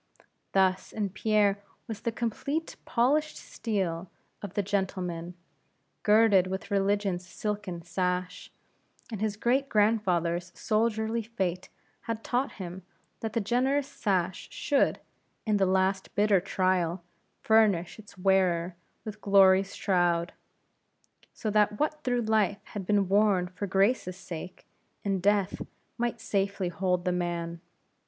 Thus in Pierre was the complete polished steel of the gentleman, girded with Religion's silken sash; and his great grandfather's soldierly fate had taught him that the generous sash should, in the last bitter trial, furnish its wearer with Glory's shroud; so that what through life had been worn for Grace's sake, in death might safely hold the man.